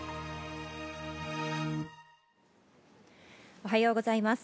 おはようございます。